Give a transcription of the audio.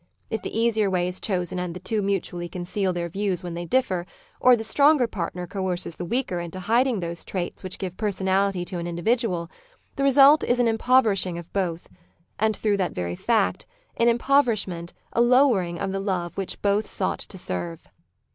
If the easier way is chosen and the two mutually conceal their views when they differ, or the stronger partner coerces the weaker into hiding those traits which give personality to an individual, the result is an impoverishing of both, and through that very fact, an impoverishment, a lov/ering of the love which both sought to serve.